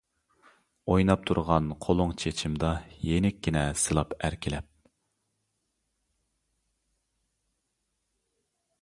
ئويناپ تۇرغان قولۇڭ چېچىمدا، يېنىككىنە سىلاپ ئەركىلەپ.